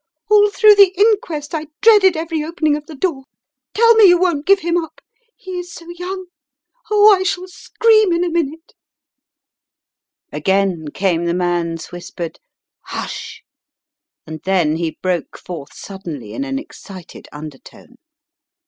All through the inquest I dreaded every opening of the door! Tell me you won't give him up. He is so young. Qh, I shall scream in a minute." £52 The Riddle of the Purple Emperor Again came the man's whispered "Hush!" and then he broke forth suddenly in an excited undertone.